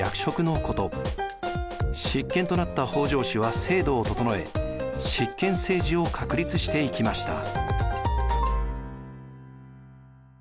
執権となった北条氏は制度を整え執権政治を確立していきました。